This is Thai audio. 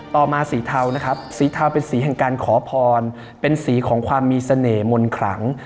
ต่อมาสีเทานะครับสีเทาเป็นสีแห่งการขอพรเป็นสีของความมีเสน่ห์มนต์ขลัง